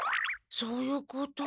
そういうこと。